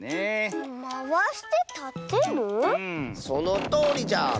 そのとおりじゃ。